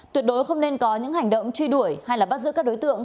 tuyệt đối không nên có những hành động truy đuổi hay bắt giữ các đối tượng